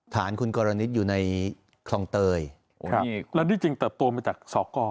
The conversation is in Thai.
ฐานคุณกำหนิตอยู่ในคลองเตยครับแล้วดิจริงเติบตัวมาจากศก